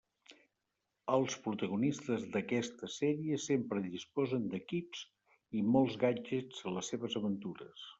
Els protagonistes d'aquestes sèries sempre disposen d'equips i molts gadgets en les seves aventures.